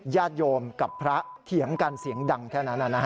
ญาติโยมกับพระเถียงกันเสียงดังแค่นั้น